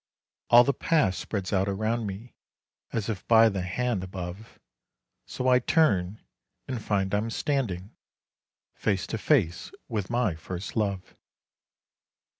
All the past spreads out around me, as if by the Hand above, So I turn, and find I'm standing face to face with my first love.